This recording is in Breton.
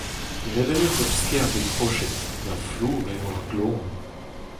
Graet em eus ur skerb e kroched, na flour eo ar gloan !